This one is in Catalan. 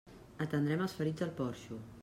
Atendrem els ferits al porxo.